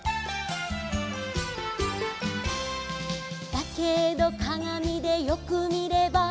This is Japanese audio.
「だけどかがみでよくみれば」